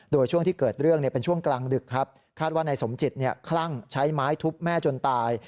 โดยช่วงที่เกิดเรื่องเป็นช่วงกลางดึกครับคาดว่านายสมจิตคลั่งใช้ไม้ทุบแม่จนตาย